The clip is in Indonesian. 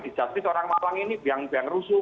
dijustice orang orang ini biang biang rusuh